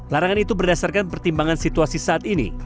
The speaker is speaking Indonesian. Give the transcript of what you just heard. larangan itu berdasarkan pertimbangan situasi saat ini